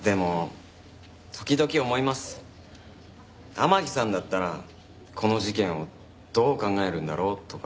天樹さんだったらこの事件をどう考えるんだろう？とか。